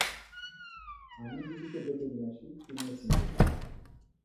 আমি দিদিকে ডেকে নিয়ে আসি, তিনিও শুনবেন!